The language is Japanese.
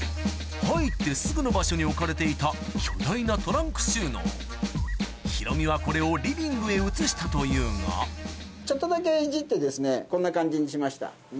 入ってすぐの場所に置かれていた巨大なトランク収納ヒロミはこれをリビングへ移したというがちょっとだけいじってこんな感じにしました。